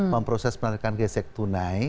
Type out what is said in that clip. memproses penerbitan gesek tunai